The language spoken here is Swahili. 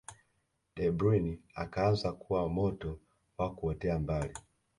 Debrune akaanza kuwa moto wa kuotea mbali